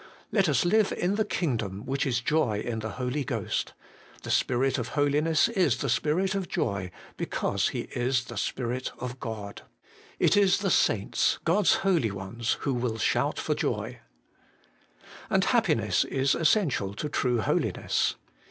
Let us live in the Kingdom which is joy in the Holy Ghost ; the Spirit of holiness is the Spirit of joy, because He is the Spirit of God. It is the saints, God's holy ones, who will shout for joy. And happiness is essential to true holiness.